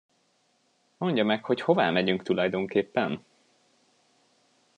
Mondja meg, hogy hová megyünk tulajdonképpen?